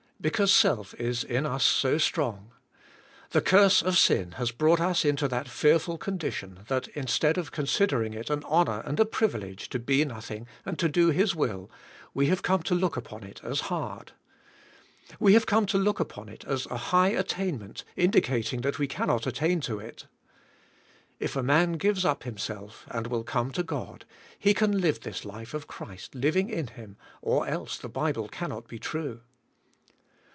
Because self is in us so strong. The curse of sin has brought us into that fearful condition, that instead of considering it an honor and a privilege to be nothing and to do His will, we have come to look upon it as hard. We have come to look upon it as a high attainment, indicating ISO THE SPIRITUAL LIFlt. that we cannot attain to it. If a man gives up him self, and will come to God, he can live this life of Christ living in him, or else the Bible cannot be true.